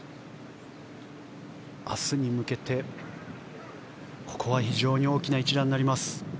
明日に向けてここは非常に大きな一打になります。